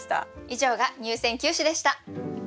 以上が入選九首でした。